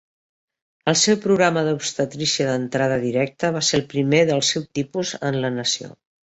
El seu programa de Obstetrícia d'entrada directa va ser el primer del seu tipus en la nació.